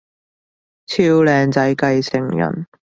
超靚仔繼承人